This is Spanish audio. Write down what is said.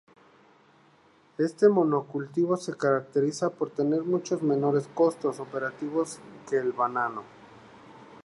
Este monocultivo se caracteriza por tener mucho menores costos operativos que el banano.